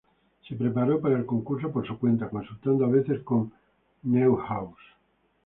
Se preparó para el concurso por su cuenta, consultando a veces con Neuhaus.